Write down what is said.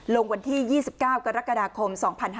ลงวันที่๒๙กรกฎาคม๒๕๕๙